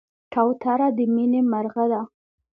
کوتره د مینې مرغه ده.